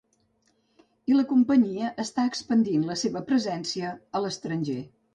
I la companyia està expandint la seva presència a l'estranger.